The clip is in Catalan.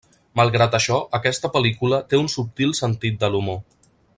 Malgrat això aquesta pel·lícula té un subtil sentit de l'humor.